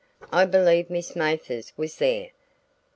"I believe Miss Mathers was there."